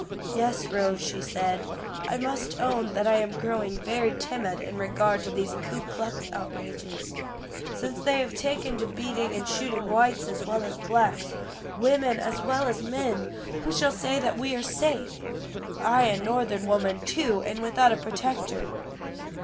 "Yes, Rose," she said, "I must own that I am growing very timid in regard to these Ku Klux outrages. Since they have taken to beating and shooting whites as well as blacks, women as well as men, who shall say that we are safe? I a Northern woman too and without a protector."